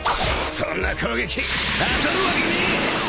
そんな攻撃当たるわけねえ！